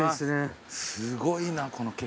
すごいなこの景色。